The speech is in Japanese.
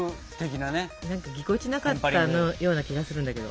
なんかぎこちなかったような気がするんだけど。